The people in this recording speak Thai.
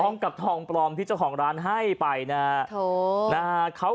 พร้อมกับทองปลอมที่เจ้าของร้านให้ไปนะฮะเขา